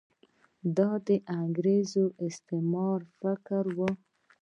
دا د انګریزانو استعماري پلان و.